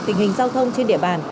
tình hình giao thông trên địa bàn